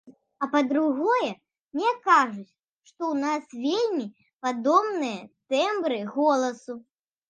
А па-другое, мне кажуць, што ў нас вельмі падобныя тэмбры голасу.